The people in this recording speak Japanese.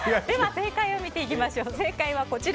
では正解を見ていきましょう。